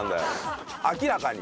明らかに。